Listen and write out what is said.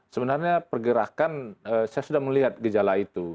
sebenarnya pergerakan saya sudah melihat gejala itu